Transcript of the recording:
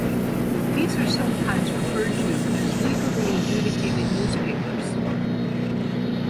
These are sometimes referred to as "legally adjudicated newspapers".